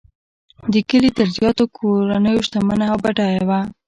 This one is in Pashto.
د کلي تر زیاتو کورنیو شتمنه او بډایه وه.